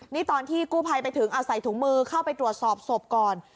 นี่ตอนที่กู้ภัยไปถึงเอาใส่ถุงมือเข้าไปตรวจสอบศพก่อน